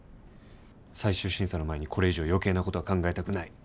最終審査の前にこれ以上余計なことは考えたくない。